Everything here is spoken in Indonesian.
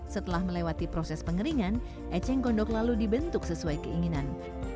setelah melewati proses pengeringan eceng gondok lalu dibentuk sesuai keinginan